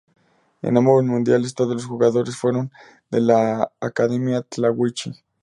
En ambos mundiales, todos los jugadores fueron de la Academia Tahuichi.